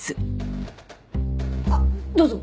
あっどうぞ。